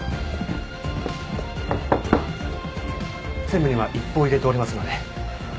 専務には一報入れておりますので。